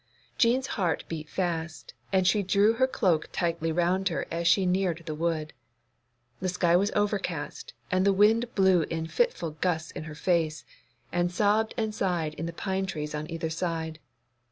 Jean's heart beat fast, and she drew her cloak tightly round her as she neared the wood. The sky was overcast, and the wind blew in fitful gusts in her face, and sobbed and sighed in the pine trees on either side.